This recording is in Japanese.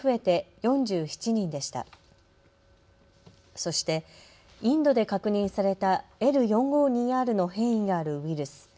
そして、インドで確認されたＬ４５２Ｒの変異があるウイルス。